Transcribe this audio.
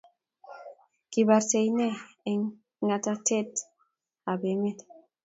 Kiibarte inne eng ngetet ab kamet